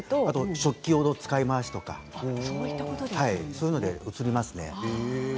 食器の使い回しとかそういうので、うつりますね。